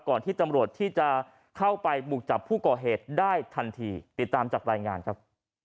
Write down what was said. ที่ตำรวจที่จะเข้าไปบุกจับผู้ก่อเหตุได้ทันทีติดตามจากรายงานครับ